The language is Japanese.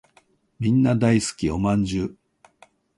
みんな大好きお饅頭